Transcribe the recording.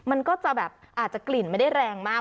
อาจจะกลิ่นไม่ได้แรงมาก